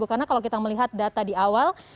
karena kalau kita melihat data di awal